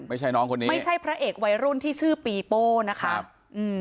ไม่ใช่น้องคนนี้ไม่ใช่พระเอกวัยรุ่นที่ชื่อปีโป้นะคะอืม